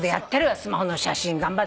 スマホの写真頑張ってる。